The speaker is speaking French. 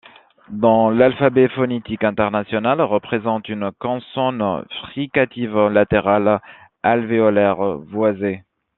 Dans l’alphabet phonétique international, représente une consonne fricative latérale alvéolaire voisée.